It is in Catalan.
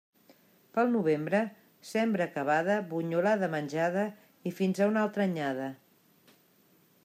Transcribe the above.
Pel novembre, sembra acabada, bunyolada menjada i fins a una altra anyada.